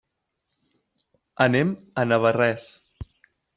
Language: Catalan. Anem a Navarrés.